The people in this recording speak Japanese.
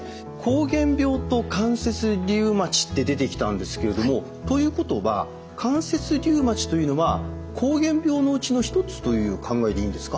膠原病と関節リウマチって出てきたんですけれどもということは関節リウマチというのは膠原病のうちの一つという考えでいいんですか？